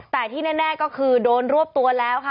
แต่ที่แน่ก็คือโดนรวบตัวแล้วค่ะ